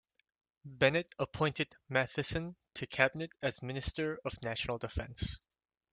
Bennett appointed Matheson to Cabinet as Minister of National Defence.